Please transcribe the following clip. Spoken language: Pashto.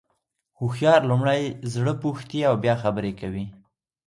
هوښیار لومړی زړه پوښتي او بیا خبري کوي.